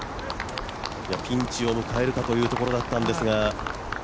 ピンチを迎えるかというところだったんですが。